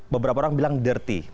beberapa orang bilang dirty